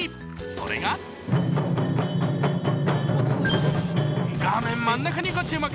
それが画面真ん中にご注目。